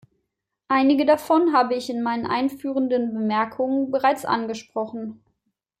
Einige davon habe ich in meinen einführenden Bemerkungen bereits angesprochen.